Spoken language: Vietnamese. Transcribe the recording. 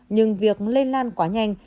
nhưng việc lên lan quá nhanh